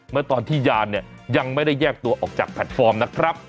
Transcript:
เมื่อตอนที่ยานเนี่ยยังไม่ได้แยกตัวออกจากแพลตฟอร์มนะครับ